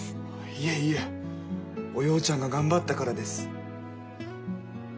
いえいえおようちゃんが頑張ったからです。